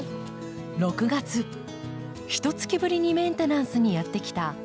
６月ひとつきぶりにメンテナンスにやって来た永村裕子さん。